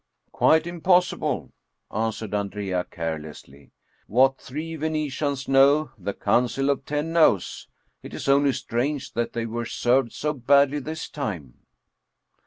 " Quite impossible," answered Andrea carelessly. " What three Venetians know, the Council of Ten knows. It is only strange that they were served so badly this time."